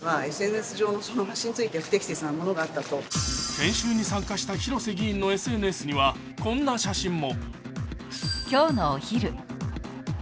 研修に参加した広瀬議員のＳＮＳには、こんな写真も。